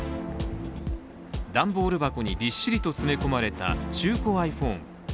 段ボール箱にびっしりと詰め込まれた中古ｉＰｈｏｎｅ。